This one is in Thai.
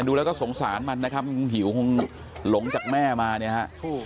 ดูแล้วก็สงสารมันนะครับคงหิวคงหลงจากแม่มาเนี่ยฮะ